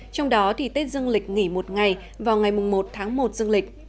trong đó thì tết dương lịch nghỉ một ngày vào ngày một tháng một dương lịch